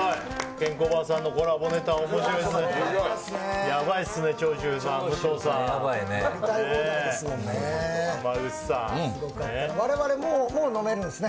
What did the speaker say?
ケンコバさんのコラボネタ、おもしろいですね。